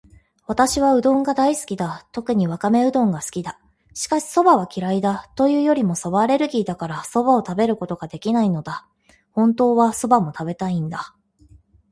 私はうどんが大好きだ。特にわかめうどんが好きだ。しかし、蕎麦は嫌いだ。というよりも蕎麦アレルギーだから、蕎麦を食べることができないのだ。本当は蕎麦も食べたいんだ。